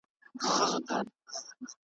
تر پخوا به يې په لوړ اواز خوركى سو .